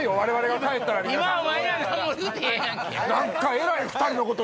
えらい２人のこと。